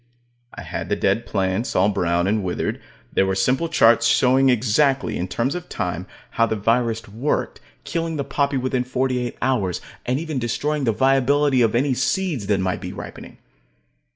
I had the dead plants, all brown and withered. There were simple charts showing exactly, in terms of time, how the virus worked, killing the poppy within forty eight hours, and even destroying the viability of any seeds that might be ripening.